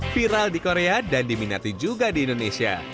viral di korea dan diminati juga di indonesia